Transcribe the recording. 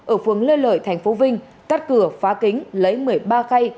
ở phường lê lợi tp vinh cắt cửa phá kính lấy một mươi ba khay